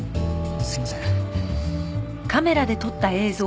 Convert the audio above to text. すいません。